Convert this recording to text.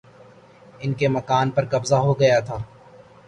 ان کے مکان پر قبضہ ہو گیا تھا